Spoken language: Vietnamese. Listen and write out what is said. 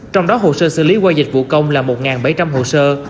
trong đó hồ sơ xử lý qua dịch vụ công là một bảy trăm linh hồ sơ